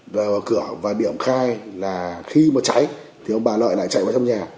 đều ở cửa và điểm khai là khi mà cháy thì ông bà nội này chạy vào trong nhà